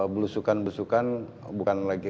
belusukan belusukan bukan lagi